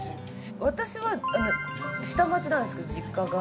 私は下町なんですけど実家が。